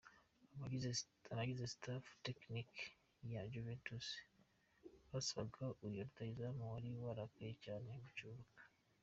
Abagize staff tekinike ya Juventus basabaga uyu rutahizamu wari warakaye cyane gucururuka.